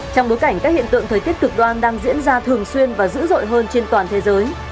trong bối cảnh các hiện tượng thời tiết cực đoan đang diễn ra thường xuyên và dữ dội hơn trên toàn thế giới